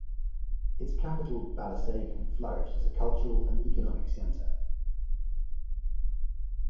Its capital, Balasagun flourished as a cultural and economic centre.